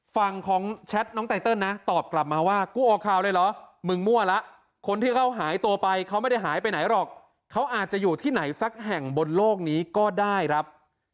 ฝั่งของแชทน้องไตเติลนะตอบกลับมาว่ากูออกข่าวเลยเหรอมึงมั่วแล้วคนที่เขาหายตัวไปเขาไม่ได้หายไปไหนหรอกเขาอาจจะอยู่ที่ไหนสักแห่งบนโลกนี้ก็ได้ครับ